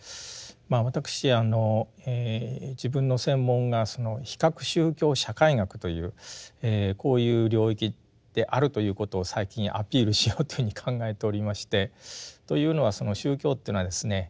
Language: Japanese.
私自分の専門が比較宗教社会学というこういう領域であるということを最近アピールしようというふうに考えておりましてというのはその宗教というのはですね